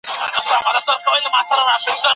ایا ته غواړې چي په دې برخه کي نوی کتاب ولیکې؟